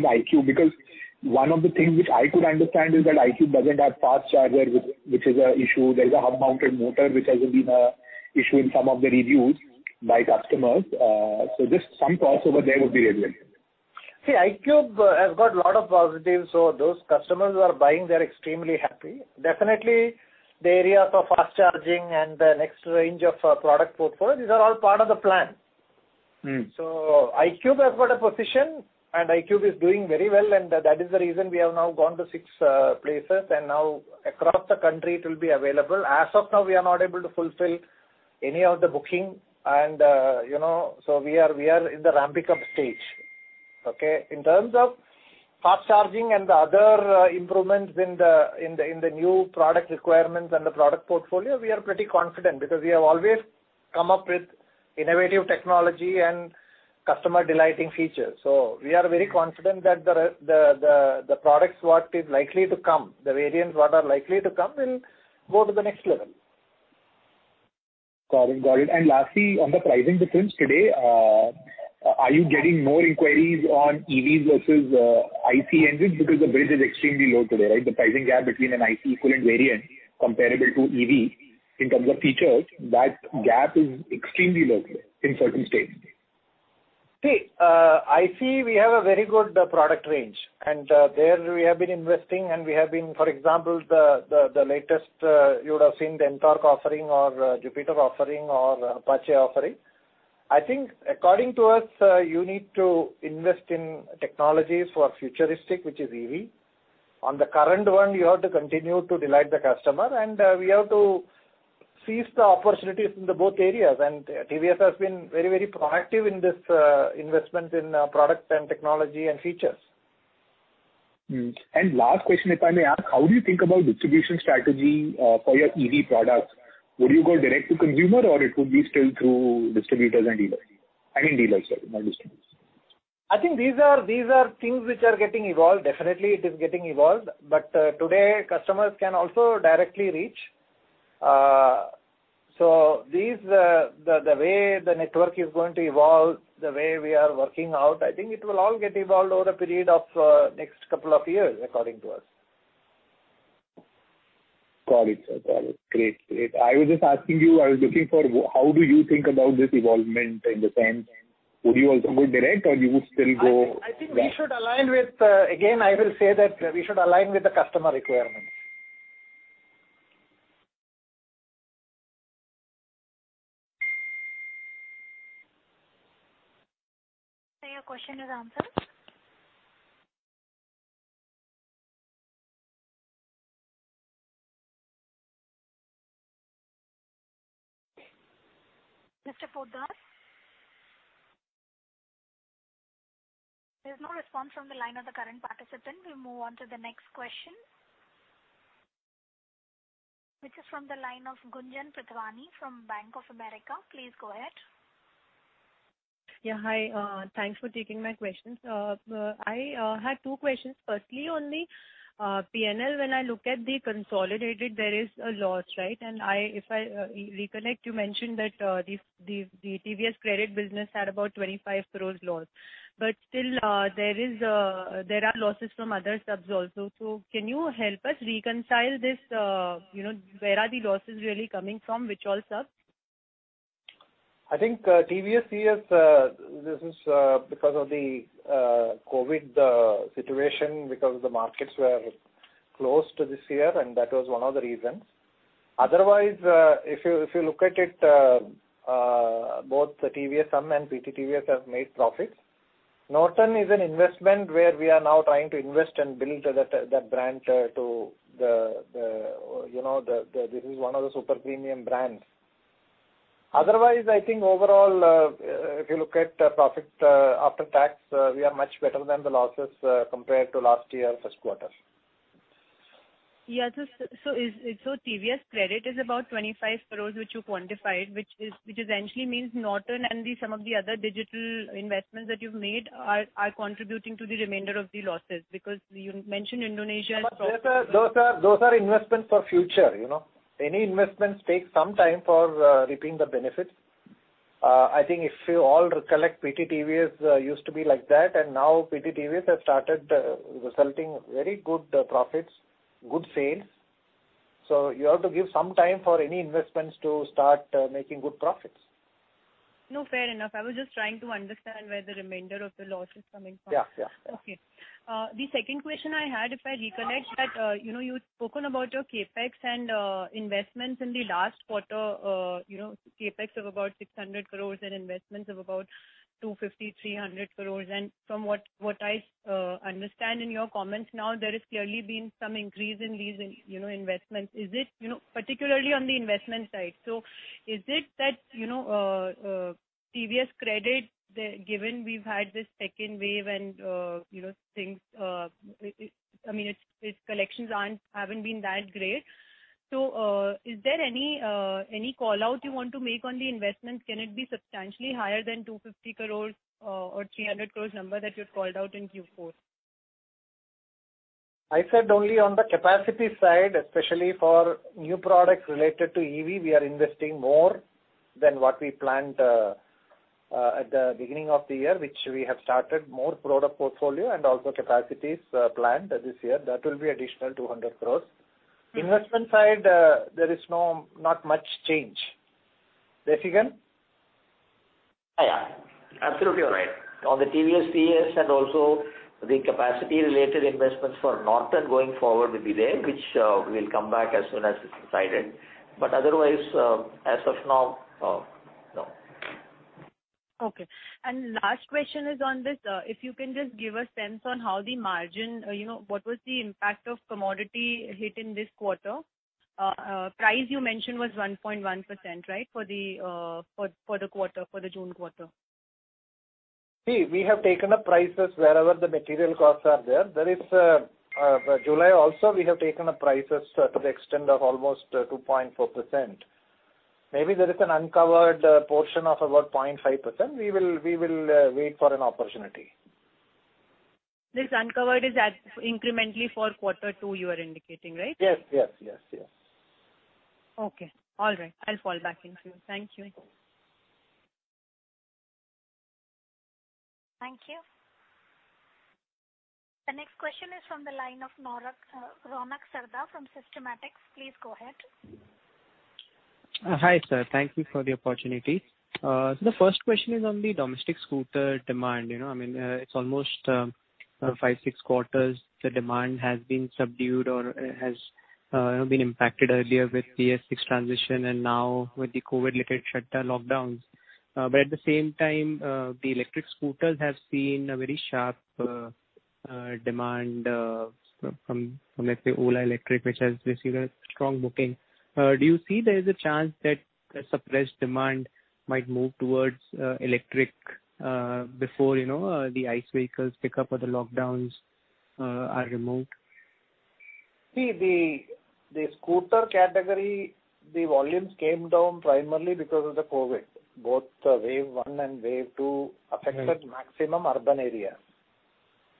iQube. One of the things which I could understand is that iQube doesn't have fast charger, which is a issue. There is a hub-mounted motor, which has been a issue in some of the reviews by customers. Just some thoughts over there would be relevant. See, iQube has got lot of positives. Those customers who are buying, they're extremely happy. Definitely, the areas of fast charging and the next range of product portfolio, these are all part of the plan. iQube has got a position, and iQube is doing very well, and that is the reason we have now gone to six places, and now across the country it will be available. As of now, we are not able to fulfill any of the booking. We are in the ramping up stage. Okay? In terms of fast charging and the other improvements in the new product requirements and the product portfolio, we are pretty confident because we have always come up with innovative technology and customer delighting features. We are very confident that the variants what are likely to come will go to the next level. Got it. Lastly, on the pricing difference today, are you getting more inquiries on EVs versus IC engines? The bridge is extremely low today, right? The pricing gap between an IC equivalent variant comparable to EV in terms of features, that gap is extremely low in certain states. See, ICE, we have a very good product range. There we have been investing and we have been, for example, the latest, you would have seen the NTORQ offering or Jupiter offering or Apache offering. I think according to us, you need to invest in technologies for futuristic, which is EV. On the current one, you have to continue to delight the customer, and we have to seize the opportunities in the both areas. TVS has been very proactive in this investment in product and technology and features. Last question, if I may ask, how do you think about distribution strategy for your EV products? Would you go direct to consumer or it would be still through distributors and dealers? I mean dealers, sorry, not distributors. I think these are things which are getting evolved. Definitely, it is getting evolved. Today, customers can also directly reach. The way the network is going to evolve, the way we are working out, I think it will all get evolved over a period of next couple of years, according to us. Got it, sir. Great. I was just asking you, I was looking for how do you think about this evolvement in the sense, would you also go direct or you would still go? Again, I will say that we should align with the customer requirements. Sir, your question is answered. Mr. Poddar? There's no response from the line of the current participant. We'll move on to the next question, which is from the line of Gunjan Prithyani from Bank of America. Please go ahead. Yeah, hi. Thanks for taking my questions. I had two questions. Firstly, on the P&L, when I look at the consolidated, there is a loss, right? If I reconnect, you mentioned that the TVS Credit business had about 25 crores loss. Still, there are losses from other subs also. Can you help us reconcile this, where are the losses really coming from, which all subs? I think TVS here, this is because of the COVID situation, because the markets were closed this year. That was one of the reasons. Otherwise, if you look at it, both the TVS Motor Company and PT TVS have made profits. Norton is an investment where we are now trying to invest and build that brand. This is one of the super premium brands. Otherwise, I think overall, if you look at profit after tax, we are much better than the losses compared to last year first quarter. Yeah. TVS Credit is about 25 crores, which you quantified, which essentially means Norton and some of the other digital investments that you've made are contributing to the remainder of the losses because you mentioned Indonesia. Those are investments for future. Any investments take some time for reaping the benefits. I think if you all recollect, PT TVS used to be like that. Now PT TVS has started resulting very good profits, good sales. You have to give some time for any investments to start making good profits. No, fair enough. I was just trying to understand where the remainder of the loss is coming from. Yeah. Okay. The second question I had, if I recollect that, you'd spoken about your CapEx and investments in the last quarter, CapEx of about 600 crore and investments of about 250 crore-300 crore. From what I understand in your comments now, there has clearly been some increase in these investments. Particularly on the investment side. Is it that TVS Credit, given we've had this second wave and its collections haven't been that great? Is there any call-out you want to make on the investment? Can it be substantially higher than 250 crore-300 crore number that you had called out in Q4? I said only on the capacity side, especially for new products related to EV, we are investing more than what we planned at the beginning of the year, which we have started more product portfolio and also capacities planned this year. That will be additional ₹200 crores. Investment side, there is not much change. Desikan? Yeah. Absolutely right. On the TVS CS, and also the capacity related investments for Norton going forward will be there, which we'll come back as soon as it's decided. Otherwise, as of now, no. Okay. Last question is on this. If you can just give a sense on how the margin, what was the impact of commodity hit in this quarter? Price you mentioned was 1.1%, right, for the June quarter. See, we have taken up prices wherever the material costs are there. July also, we have taken up prices to the extent of almost 2.4%. Maybe there is an uncovered portion of about 0.5%. We will wait for an opportunity. This uncovered is incrementally for quarter two, you are indicating, right? Yes. Okay. All right. I'll fall back in queue. Thank you. Thank you. The next question is from the line of Ronak Sarda from Systematix. Please go ahead. Hi, sir. Thank you for the opportunity. The first question is on the domestic scooter demand. It's almost five, six quarters, the demand has been subdued or has been impacted earlier with BS6 transition and now with the COVID-19-related shutdown lockdowns. At the same time, the electric scooters have seen a very sharp demand from, let's say, Ola Electric, which has received a strong booking. Do you see there is a chance that suppressed demand might move towards electric before the ICE vehicles pick up or the lockdowns are removed? See, the scooter category, the volumes came down primarily because of the COVID. Both wave one and wave two affected maximum urban area.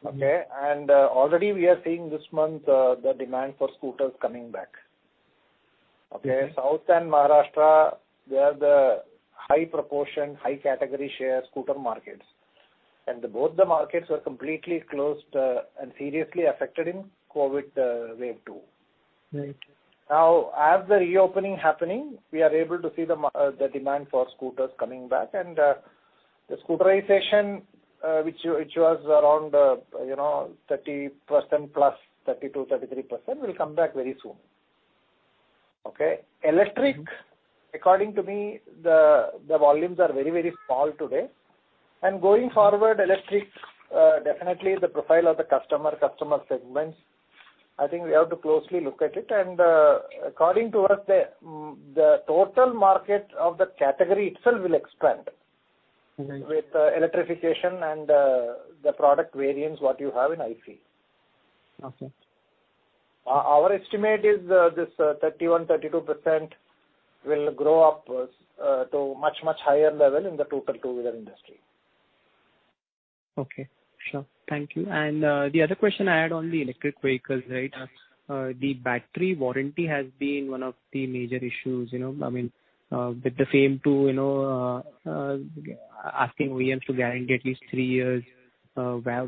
Okay. Already we are seeing this month the demand for scooters coming back. Okay. South and Maharashtra, they are the high proportion, high category share scooter markets. Both the markets were completely closed and seriously affected in COVID wave two. Right. Now, as the reopening happening, we are able to see the demand for scooters coming back and the scooterization, which was around 30%+, 32%, 33%, will come back very soon. Okay. Electric, according to me, the volumes are very small today. Going forward, electric, definitely the profile of the customer segments, I think we have to closely look at it. According to us, the total market of the category itself will expand with electrification and the product variants what you have in ICE. Okay. Our estimate is this 31%-32% will grow up to much higher level in the total two-wheeler industry. Okay. Sure. Thank you. The other question I had on the electric vehicles. The battery warranty has been one of the major issues. With FAME II, asking OEMs to guarantee at least three years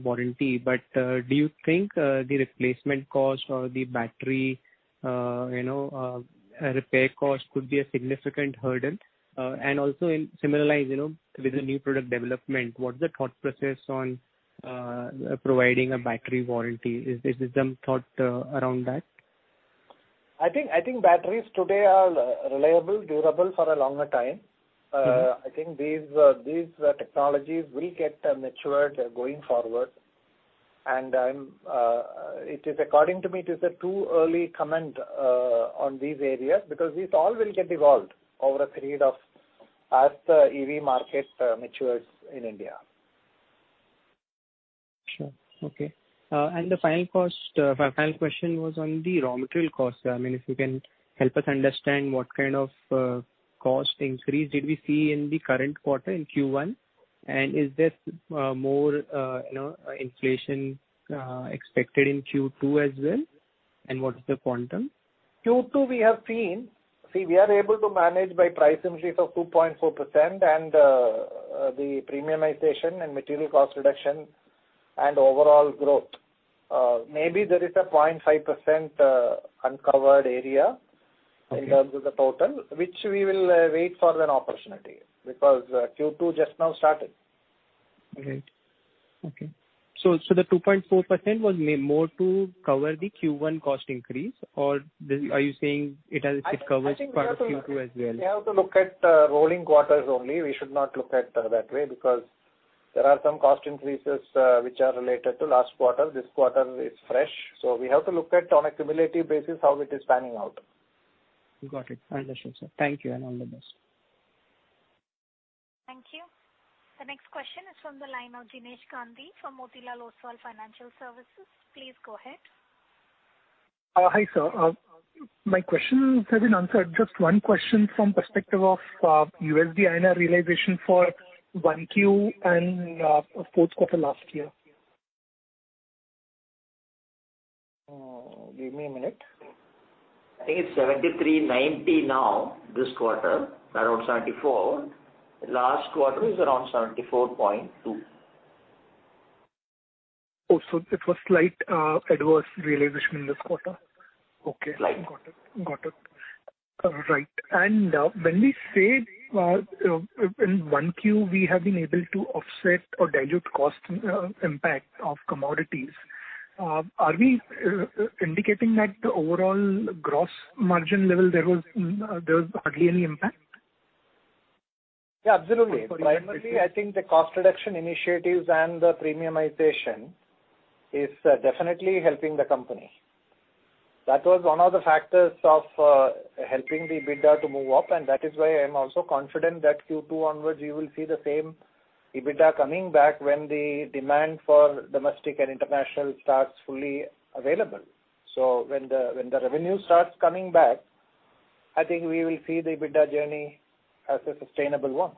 warranty. Do you think the replacement cost or the battery repair cost could be a significant hurdle? Also similarly, with the new product development, what's the thought process on providing a battery warranty? Is there some thought around that? I think batteries today are reliable, durable for a longer time. I think these technologies will get matured going forward. According to me, it is a too early comment on these areas because these all will get evolved over a period as the EV market matures in India. Sure. Okay. The final question was on the raw material cost, sir. If you can help us understand what kind of cost increase did we see in the current quarter, in Q1? Is there more inflation expected in Q2 as well? What is the quantum? Q2, we are able to manage by price increase of 2.4%, and the premiumization and material cost reduction and overall growth. Maybe there is a 0.5% uncovered area in terms of the total, which we will wait for an opportunity, because Q2 just now started. All right. Okay. The 2.4% was more to cover the Q1 cost increase, or are you saying it covers part of Q2 as well? We have to look at rolling quarters only. We should not look at it that way, because there are some cost increases which are related to last quarter. This quarter is fresh, so we have to look at, on a cumulative basis, how it is panning out. Got it. Understood, sir. Thank you, and all the best. Thank you. The next question is from the line of Jinesh Gandhi from Motilal Oswal Financial Services. Please go ahead. Hi, sir. My questions have been answered. Just one question from perspective of US dollar Indian rupee realization for 1Q and fourth quarter last year. Give me a minute. I think it's 73.90 now, this quarter, around 74. Last quarter is around 74.2. Oh, it was slight adverse realization this quarter. Okay. Right. Got it. Right. When we say in 1Q, we have been able to offset or dilute cost impact of commodities are we indicating that the overall gross margin level, there was hardly any impact? Yeah, absolutely. Primarily, I think the cost reduction initiatives and the premiumization is definitely helping the company. That was one of the factors of helping the EBITDA to move up, and that is why I am also confident that Q2 onwards, you will see the same EBITDA coming back when the demand for domestic and international starts fully available. When the revenue starts coming back, I think we will see the EBITDA journey as a sustainable one.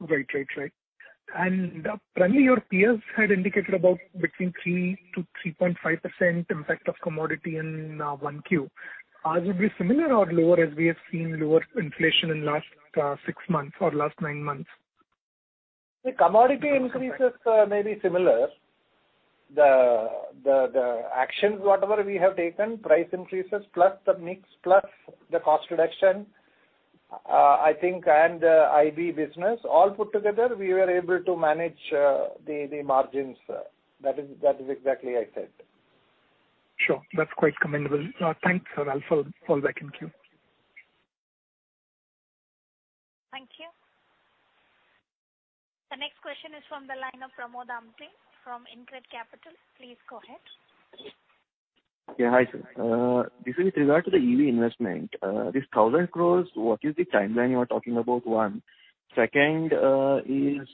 Right. Currently, your peers had indicated about between 3%-3.5% impact of commodity in 1Q. Ours will be similar or lower, as we have seen lower inflation in last six months or last nine months. The commodity increases may be similar. The actions, whatever we have taken, price increases plus the mix, plus the cost reduction, I think, and IB business, all put together, we were able to manage the margins. That is exactly I said. Sure. That's quite commendable. Thanks, sir. I'll fall back in queue. Thank you. The next question is from the line of Pramod Amthe from InCred Capital. Please go ahead. Yeah. Hi, sir. This is regard to the EV investment. This 1,000 crores, what is the timeline you are talking about, one? Second is,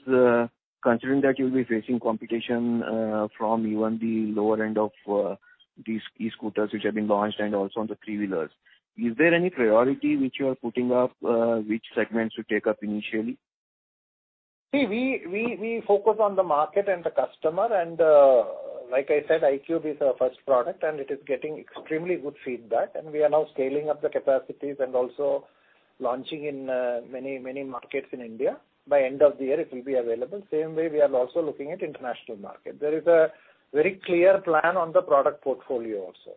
considering that you'll be facing competition from even the lower end of these e-scooters which have been launched and also on the three-wheelers. Is there any priority which you are putting up which segments to take up initially? See, we focus on the market and the customer, and like I said, iQube is our first product, and it is getting extremely good feedback. We are now scaling up the capacities and also launching in many markets in India. By end of the year, it will be available. Same way, we are also looking at international market. There is a very clear plan on the product portfolio also.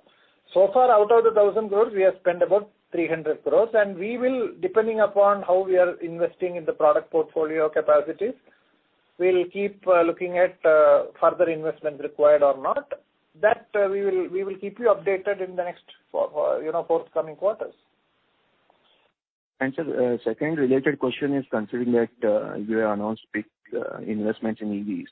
So far, out of the 1,000 crores, we have spent about 300 crores, and we will, depending upon how we are investing in the product portfolio capacities, we'll keep looking at further investment required or not. That, we will keep you updated in the next forthcoming quarters. Sir, second related question is considering that you have announced big investments in EVs.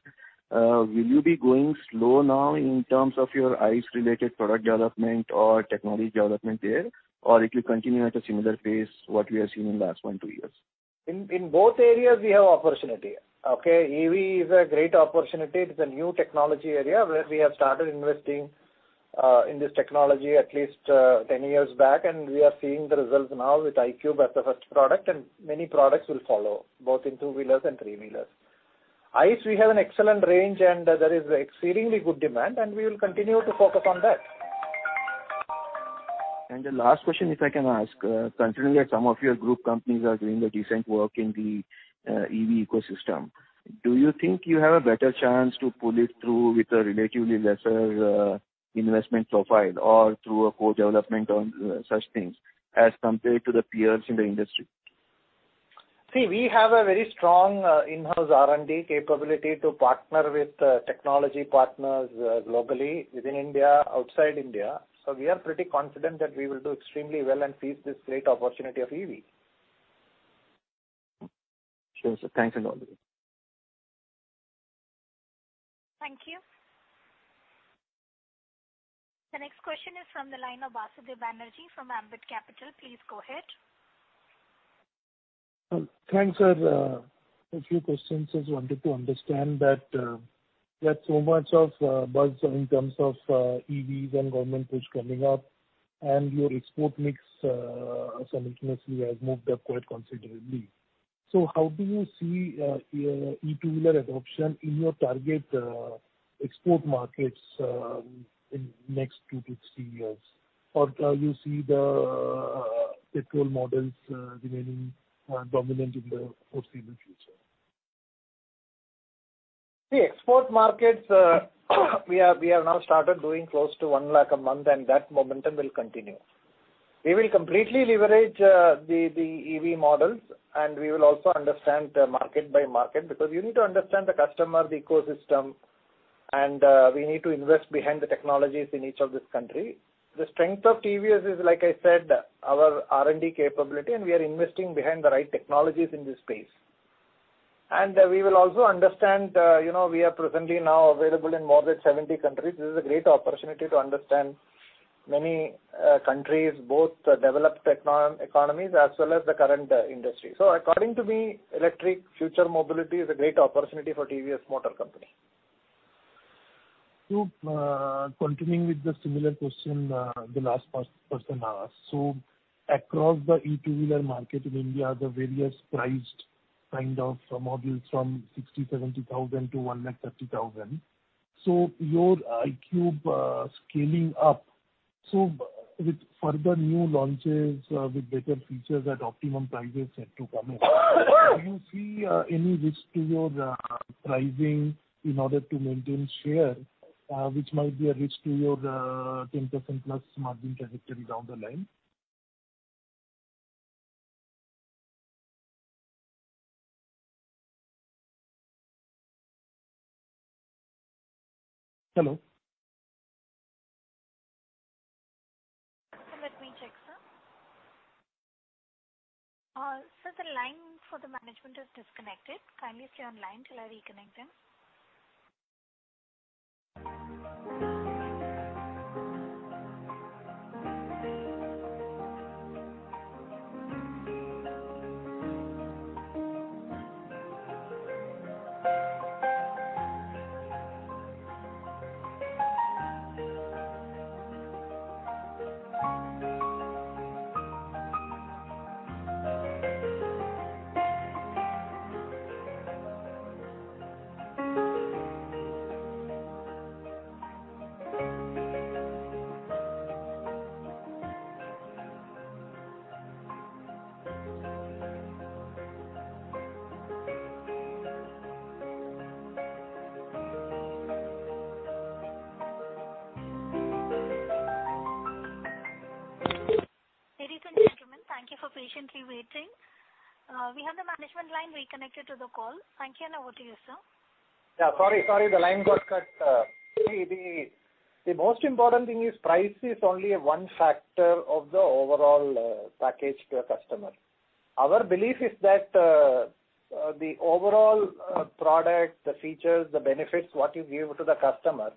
Will you be going slow now in terms of your ICE-related product development or technology development there, or it will continue at a similar pace, what we have seen in last one, two years? In both areas, we have opportunity. EV is a great opportunity. It is a new technology area where we have started investing in this technology at least 10 years back, and we are seeing the results now with iQube as the first product, and many products will follow, both in two-wheelers and three-wheelers. ICE, we have an excellent range, and there is exceedingly good demand, and we will continue to focus on that. The last question, if I can ask. Considering that some of your group companies are doing the decent work in the EV ecosystem, do you think you have a better chance to pull it through with a relatively lesser investment profile or through a co-development on such things as compared to the peers in the industry? We have a very strong in-house R&D capability to partner with technology partners globally, within India, outside India. We are pretty confident that we will do extremely well and seize this great opportunity of EV. Sure, sir. Thanks a lot. Thank you. The next question is from the line of Basudeb Banerjee from Ambit Capital. Please go ahead. Thanks. A few questions. Just wanted to understand that there's so much of buzz in terms of EVs and government push coming up, and your export mix simultaneously has moved up quite considerably. How do you see E2W adoption in your target export markets in next two to three years? Or do you see the petrol models remaining dominant in the foreseeable future? The export markets, we have now started doing close to 1 lakh a month, and that momentum will continue. We will completely leverage the EV models, and we will also understand market by market, because you need to understand the customer, the ecosystem, and we need to invest behind the technologies in each of these countries. The strength of TVS is, like I said, our R&D capability, and we are investing behind the right technologies in this space. We will also understand, we are presently now available in more than 70 countries. This is a great opportunity to understand many countries, both developed economies as well as the current industry. According to me, electric future mobility is a great opportunity for TVS Motor Company. Continuing with the similar question the last person asked. Across the E2W market in India, the various priced models from 60,000, INR 70,000 to INR 130,000. Your iQube scaling up. With further new launches with better features at optimum prices set to come in, do you see any risk to your pricing in order to maintain share, which might be a risk to your 10%+ margin trajectory down the line? Hello. Let me check, sir. Sir, the line for the management is disconnected. Kindly stay on line till I reconnect them. Ladies and gentlemen, thank you for patiently waiting. We have the management line reconnected to the call. Thank you, and over to you, sir. Yeah. Sorry, the line got cut. The most important thing is price is only one factor of the overall package to a customer. Our belief is that the overall product, the features, the benefits, what you give to the customer,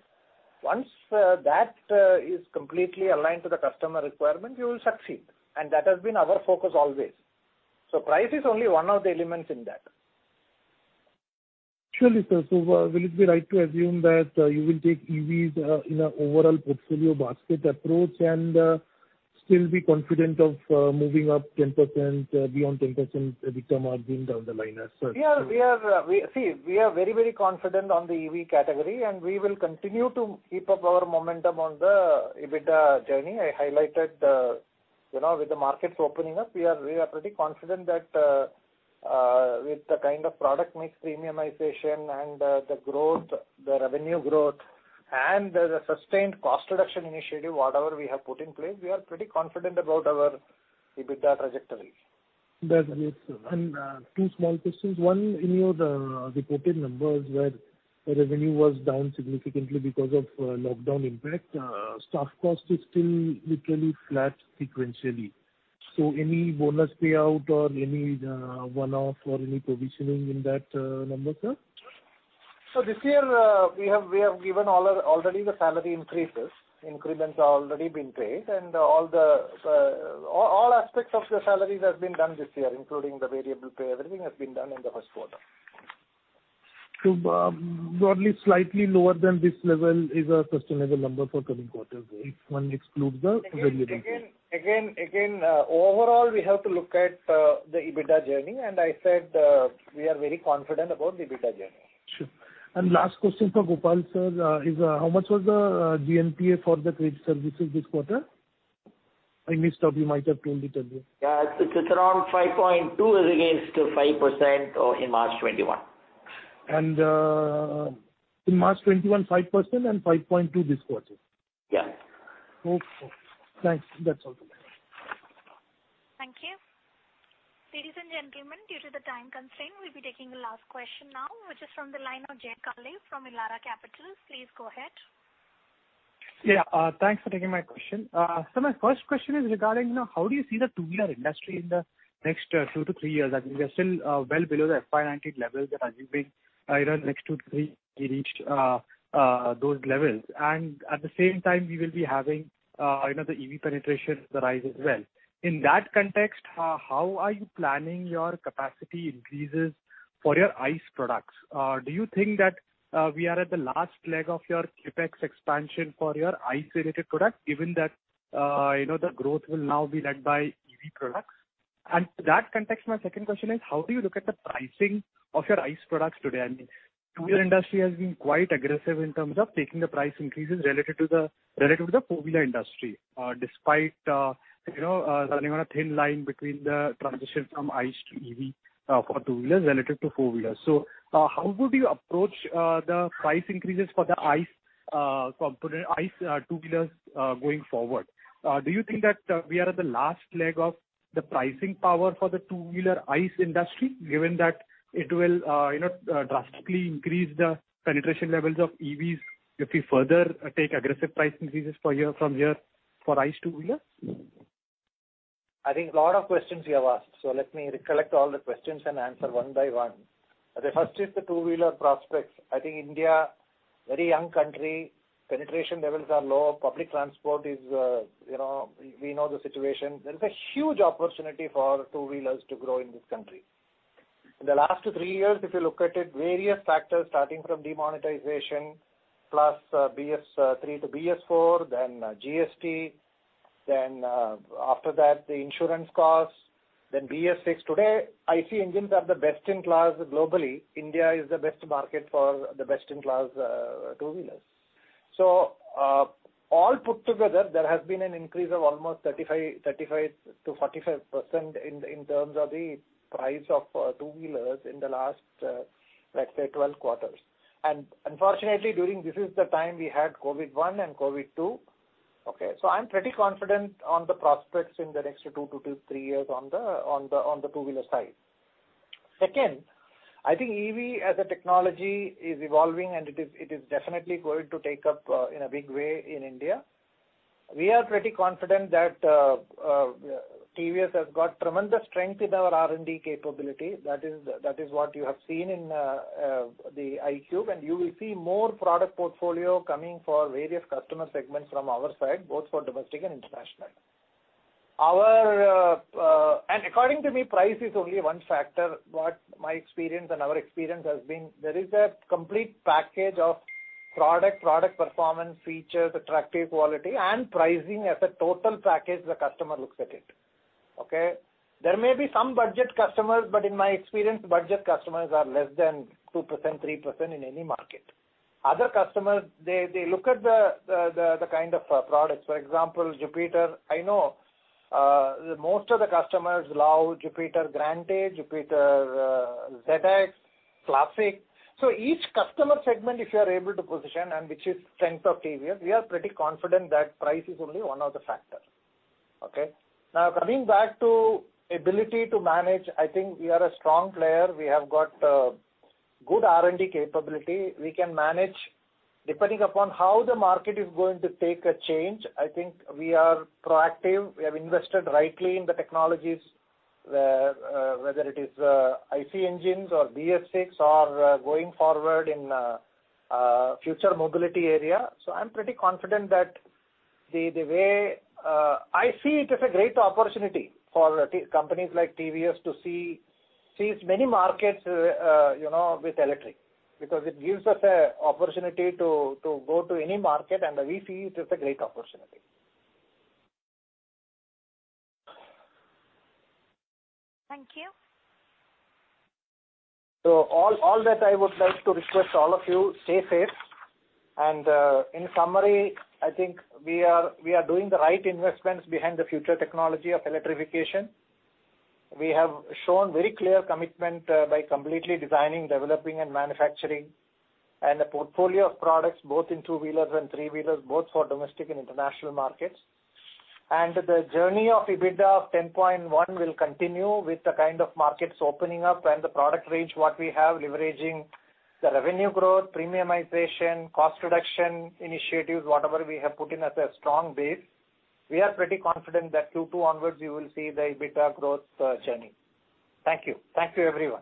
once that is completely aligned to the customer requirement, you will succeed. That has been our focus always. Price is only one of the elements in that. Surely, sir. Will it be right to assume that you will take EVs in an overall portfolio basket approach and still be confident of moving up 10%, beyond 10% EBITDA margin down the line as such? We are very confident on the EV category, and we will continue to keep up our momentum on the EBITDA journey. I highlighted with the markets opening up, we are pretty confident that with the kind of product mix premiumization and the revenue growth and the sustained cost reduction initiative, whatever we have put in place, we are pretty confident about our EBITDA trajectory. That's great, sir. Two small questions. One, in your reported numbers where the revenue was down significantly because of lockdown impact, staff cost is still literally flat sequentially. Any bonus payout or any one-off or any provisioning in that number, sir? This year, we have given already the salary increases. Increments have already been paid, and all aspects of the salaries has been done this year, including the variable pay. Everything has been done in the first quarter. Broadly, slightly lower than this level is a sustainable number for coming quarters, if one excludes the variable pay. Overall, we have to look at the EBITDA journey, and I said we are very confident about the EBITDA journey. Sure. Last question for Gopala, sir, is how much was the GNPA for the TVS Credit Services this quarter? I missed out. You might have told it earlier. It's around 5.2% as against 5% in March 2021. In March 2021, 5%, and 5.2% this quarter. Yeah. Okay. Thanks. That's all. Thank you. Ladies and gentlemen, due to the time constraint, we'll be taking the last question now, which is from the line of Jay Kale from Elara Capital. Please go ahead. Yeah. Thanks for taking my question. My first question is regarding how do you see the two-wheeler industry in the next two to three years? I mean, we are still well below the FY 2019 levels and assuming next two to three, we reached those levels. At the same time, we will be having the EV penetration rise as well. In that context, how are you planning your capacity increases for your ICE products? Do you think that we are at the last leg of your CapEx expansion for your ICE-related products, given that the growth will now be led by EV products? To that context, my second question is how do you look at the pricing of your ICE products today? I mean, two-wheeler industry has been quite aggressive in terms of taking the price increases relative to the four-wheeler industry, despite running on a thin line between the transition from ICE to EV for two-wheelers relative to four-wheelers. How would you approach the price increases for the ICE two-wheelers going forward? Do you think that we are at the last leg of the pricing power for the two-wheeler ICE industry, given that it will drastically increase the penetration levels of EVs if we further take aggressive price increases from here for ICE two-wheeler? I think a lot of questions you have asked. Let me recollect all the questions and answer one by one. The first is the two-wheeler prospects. I think India, very young country, penetration levels are low. Public transport is, we know the situation. There is a huge opportunity for two-wheelers to grow in this country. In the last two, three years, if you look at it, various factors starting from demonetization plus BS3 to BS4, then GST, then after that the insurance cost, then BS6. Today, ICE engines are the best in class globally. India is the best market for the best-in-class two-wheelers. All put together, there has been an increase of almost 35%-45% in terms of the price of two-wheelers in the last, let's say, 12 quarters. Unfortunately, during this is the time we had COVID one and COVID two. I'm pretty confident on the prospects in the next two to three years on the two-wheeler side. Second, I think EV as a technology is evolving, and it is definitely going to take up in a big way in India. We are pretty confident that TVS has got tremendous strength in our R&D capability. That is what you have seen in the iQube, and you will see more product portfolio coming for various customer segments from our side, both for domestic and international. According to me, price is only one factor. What my experience and our experience has been, there is a complete package of product performance, features, attractive quality, and pricing as a total package the customer looks at it. Okay. There may be some budget customers, but in my experience, budget customers are less than 2%-3% in any market. Other customers, they look at the kind of products. For example, Jupiter, I know, most of the customers love Jupiter Grande, Jupiter ZX, Classic. Each customer segment, if you are able to position and which is strength of TVS, we are pretty confident that price is only one of the factors. Okay. Coming back to ability to manage, I think we are a strong player. We have got good R&D capability. We can manage depending upon how the market is going to take a change. I think we are proactive. We have invested rightly in the technologies, whether it is ICE engines or BS6 or going forward in future mobility area. I'm pretty confident that the way I see it is a great opportunity for companies like TVS to seize many markets with electric. Because it gives us an opportunity to go to any market, and we see it as a great opportunity. Thank you. All that I would like to request all of you, stay safe. In summary, I think we are doing the right investments behind the future technology of electrification. We have shown very clear commitment by completely designing, developing, and manufacturing and the portfolio of products both in two-wheelers and three-wheelers, both for domestic and international markets. The journey of EBITDA of 10.1 will continue with the kind of markets opening up and the product range what we have leveraging the revenue growth, premiumization, cost reduction initiatives, whatever we have put in as a strong base. We are pretty confident that Q2 onwards, you will see the EBITDA growth journey. Thank you. Thank you, everyone.